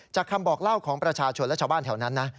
คำบอกเล่าของประชาชนและชาวบ้านแถวนั้นนะ